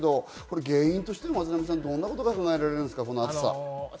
原因としてどんなことが考えられるんですか？